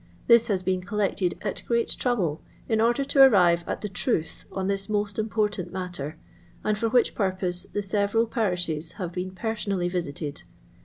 This has been collected at great trouble in order to arrive at the truth on this most important matter, and for which purpose the several parishes have been personally visited.